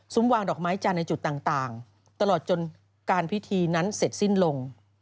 วางดอกไม้จันทร์ในจุดต่างตลอดจนการพิธีนั้นเสร็จสิ้นลง